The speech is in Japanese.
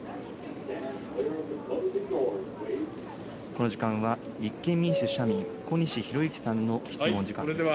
この時間は、立憲民主・社民、小西洋之さんの質問時間です。